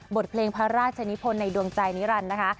บทเพลงพระราชนิพลในดวงใจนิรันดิ์นะคะ